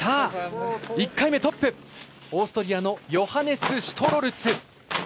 １回目トップ、オーストリアのヨハネス・シュトロルツ。